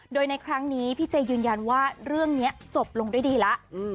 โดยในครั้งนี้พี่เจยืนยันว่าเรื่องนี้จบลงด้วยดีแล้ว